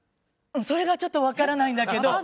うんそれがちょっとわからないんだけど。